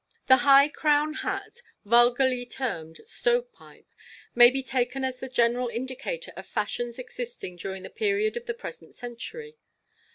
No. 12. The high crown hat, vulgarly termed "stove pipe," may be taken as the general indicator of fashions existing during the period of the present century.